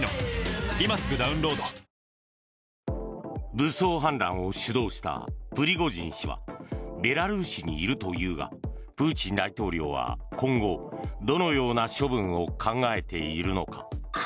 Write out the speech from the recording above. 武装反乱を主導したプリゴジン氏はベラルーシにいるというがプーチン大統領は今後どのような処分を考えているのか。